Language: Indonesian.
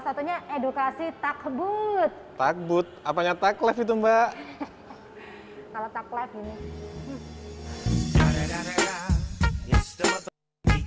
satunya edukasi takbut takbut apanya taklev itu mbak kalau taklev ini